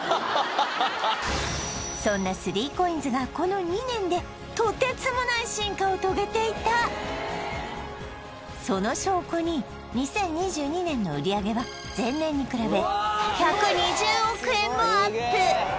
そんな３ＣＯＩＮＳがこの２年でとてつもない進化を遂げていたその証拠に２０２２年の売上は前年に比べ１２０億円もアップ